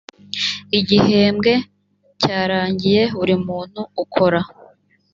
igihembwe cyarangiriye buri muntu ukora